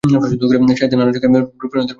সাহিত্যের নানা শাখায় রূপসা নদীর প্রসঙ্গ এসেছে।